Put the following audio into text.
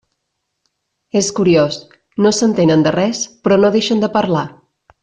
És curiós, no s'entenen de res, però no deixen de parlar.